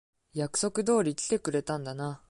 約束通り来てくれたんだな。